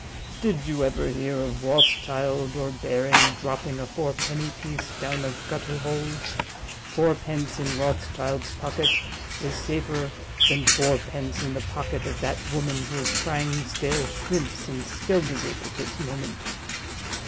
Did you ever hear of Rothschild or Baring dropping a fourpenny piece down a gutter hole? Fourpence in Rothschild's pocket is safer than fourpence in the pocket of that woman who is crying stale shrimps in Skeldergate at this moment.